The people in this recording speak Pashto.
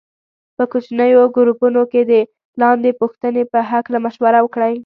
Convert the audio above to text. په کوچنیو ګروپونو کې د لاندې پوښتنې په هکله مشوره وکړئ.